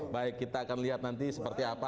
baik kita akan lihat nanti seperti apa